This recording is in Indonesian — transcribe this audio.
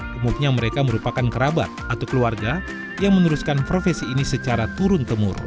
kemuknya mereka merupakan kerabat atau keluarga yang meneruskan profesi ini secara turun temurun